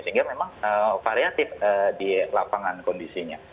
sehingga memang variatif di lapangan kondisinya